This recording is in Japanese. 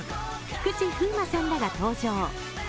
菊池風磨さんらが登場。